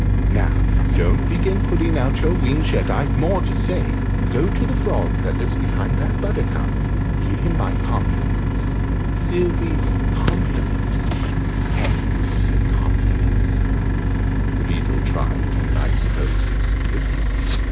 Now don't begin putting out your wings yet; I've more to say. Go to the frog that lives behind that buttercup give him my compliments Sylvie's compliments can you say compliments'?" The Beetle tried and, I suppose, succeeded.